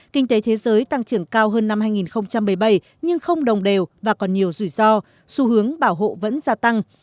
kinh tế thế giới tăng trưởng cao hơn năm hai nghìn một mươi bảy nhưng không đồng đều và còn nhiều rủi ro xu hướng bảo hộ vẫn gia tăng